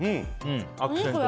アクセント。